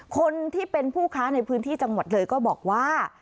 คนที่เป็นผู้ค้าในพื้นที่จังหวัดเลยก็บอกว่า